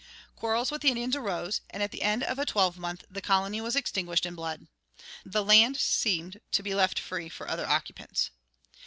Quarrels with the Indians arose, and at the end of a twelvemonth the colony was extinguished in blood. The land seemed to be left free for other occupants.